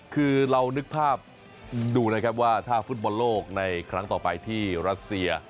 คือเรานึกภาพดูนะครับว่าถ้าฟุตบอลโลกในครั้งต่อไปที่รัสเซีย